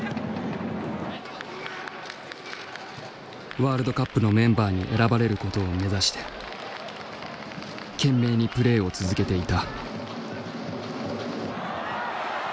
ワールドカップのメンバーに選ばれることを目指して懸命にプレーを続けていた。